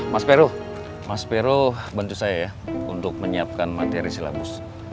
mas peru mas peru bantu saya ya untuk menyiapkan materi silabus